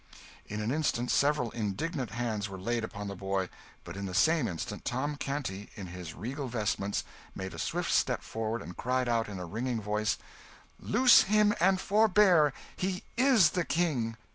In an instant several indignant hands were laid upon the boy; but in the same instant Tom Canty, in his regal vestments, made a swift step forward, and cried out in a ringing voice "Loose him and forbear! He is the King!"